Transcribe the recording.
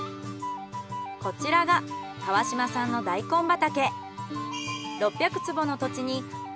こちらが川島さんの大根畑。